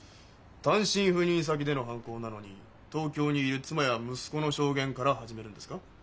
単身赴任先での犯行なのに東京にいる妻や息子の証言から始めるんですか？